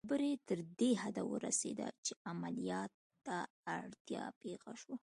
خبره تر دې حده ورسېده چې عملیات ته اړتیا پېښه شوه